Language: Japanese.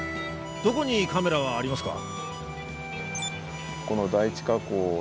どこにカメラはありますか？